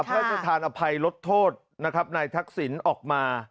พระราชทานอภัยลดโทษนะครับนายทักษิณออกมา